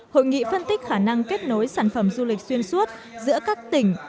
hội nghị phân tích khả năng kết nối sản phẩm du lịch xuyên suốt giữa các tỉnh